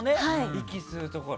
息吸うところ。